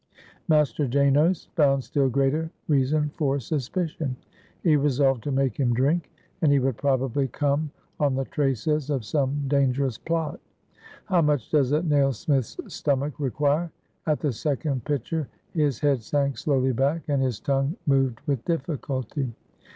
Master Janos found still greater reason for suspicion. He resolved to make him drink, and he would probably come on the traces of some dangerous plot. How much does a nailsmith's stomach require? At the second pitcher his head sank slowly back, and his tongue moved with difficulty.